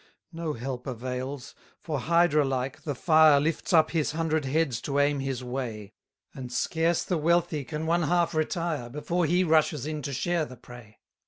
249 No help avails: for hydra like, the fire Lifts up his hundred heads to aim his way; And scarce the wealthy can one half retire, Before he rushes in to share the prey.